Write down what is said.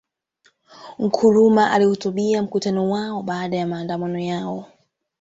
Nkrumah alihutubia mkutano wao baada ya maandamano yao